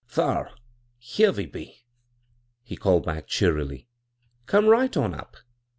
" Thar, here we be," he called back cheer ily. " Come right on up."